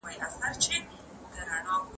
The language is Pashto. آیا واک تر مسولیت دروند دی؟